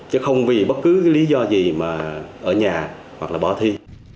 chứ không vì bất cứ lý do gì mà ở nhà hoặc là bỏ thi